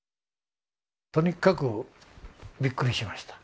とにかくびっくりしました。